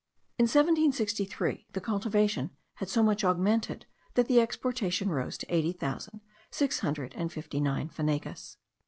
In 1763 the cultivation had so much augmented, that the exportation rose to eighty thousand six hundred and fifty nine fanegas.